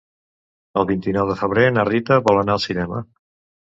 El vint-i-nou de febrer na Rita vol anar al cinema.